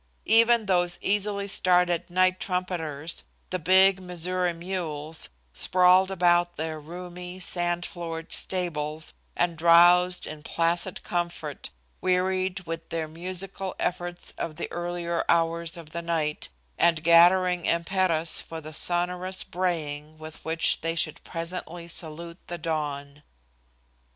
Even those easily started night trumpeters, the big Missouri mules, sprawled about their roomy, sand floored stables and drowsed in placid comfort, wearied with their musical efforts of the earlier hours of the night and gathering impetus for the sonorous braying with which they should presently salute the dawn.